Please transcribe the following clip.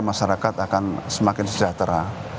masyarakat akan semakin sejahtera